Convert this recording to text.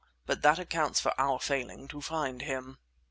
But that accounts for our failing to find him."